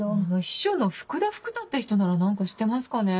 秘書の福田福多って人なら何か知ってますかね？